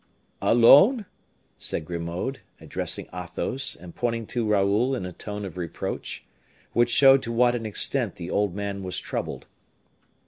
"Alone?" said Grimaud, addressing Athos and pointing to Raoul in a tone of reproach, which showed to what an extent the old man was troubled.